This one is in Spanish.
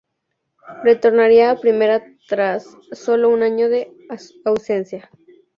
Retornaría a Primera tras solo un año de ausencia.